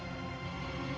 pergi ke sana